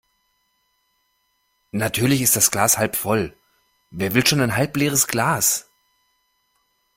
Natürlich ist das Glas halb voll. Wer will schon ein halbleeres Glas?